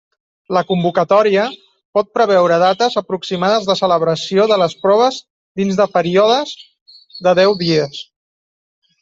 La convocatòria pot preveure dates aproximades de celebració de les proves dins de períodes de deu dies.